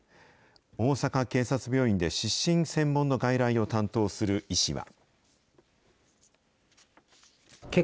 大阪警察病院で失神専門の外来を担当する医師は。